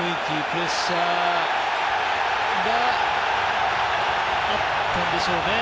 プレッシャーがあったんでしょうね。